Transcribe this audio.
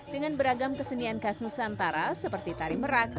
dengan beragam kesenian kasus antara seperti tari merah